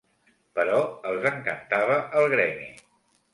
Però els encantava el Gremi.